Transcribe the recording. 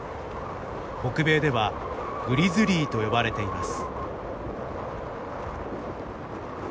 北米ではグリズリーと呼ばれています。